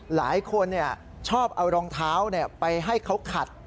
หลายคนชอบเอารองเท้าไปให้เขาขัด